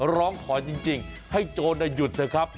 ร้องขอจริงให้โจรหยุดเถอะครับ